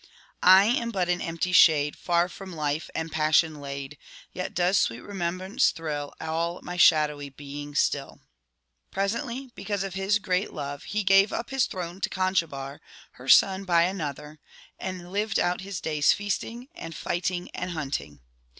'* I am but an empty shade, Far from life and passion laid ; Yet does sweet remembrance thrill All my shadowy being still.' Presently, because of his great love, he gave up his throne to Conchobar, her son by another, and lived out his days feasting, and fighting, and hunting.